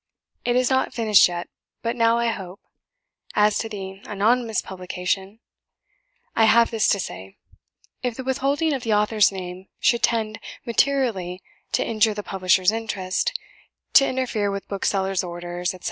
It is not finished yet; but now I hope. As to the anonymous publication, I have this to say: If the withholding of the author's name should tend materially to injure the publisher's interest, to interfere with booksellers' orders, etc.